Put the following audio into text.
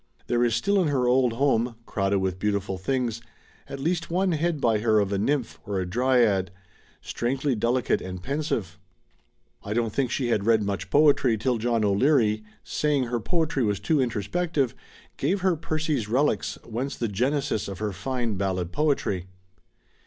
There is still in her old home, crowded with beautiful things, at least one head by her of a nymph or a dryad, strangely delicate and pensive. I don't think she had read much poetry till John O'Leary, saying her poetry was too introspective, gave her Percy's "Reliques," whence the genesis of her ifine ballad poetry.